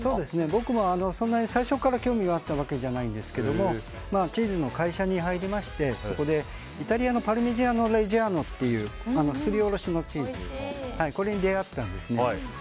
僕も最初から興味があったわけじゃないんですがチーズの会社に入りましてそこで、イタリアのパルミジャーノ・レッジャーノというすりおろしのチーズに出会ったんですね。